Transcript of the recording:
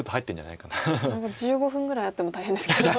１５分ぐらいあっても大変ですけども。